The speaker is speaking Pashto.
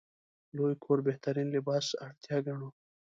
لوی کور بهترین لباس اړتیا ګڼو.